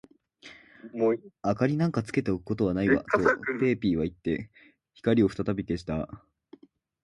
「明りなんかつけておくことはないわ」と、ペーピーはいって、光をふたたび消した。